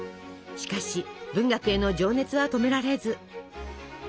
しかし文学への情熱は止められず。